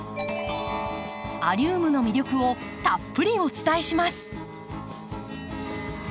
アリウムの魅力をたっぷりお伝えします。